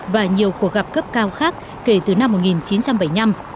và nhiều cuộc gặp cấp cao khác kể từ năm một nghìn chín trăm bảy mươi năm